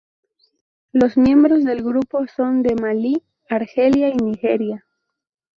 Los miembros del grupo son de Malí, Argelia y Nigeria.